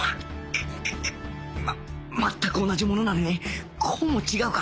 くくくま全く同じものなのにこうも違うか？